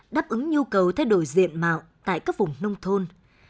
đáp ứng nhu cầu thay đổi diện mạo tại các vùng nông thôn